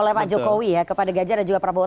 oleh pak jokowi ya kepada ganjar dan juga prabowo